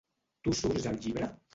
Tu surts al llibre?